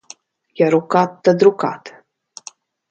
Ja rukāt, tad rukāt.